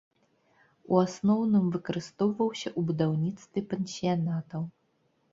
У асноўным выкарыстоўваўся ў будаўніцтве пансіянатаў.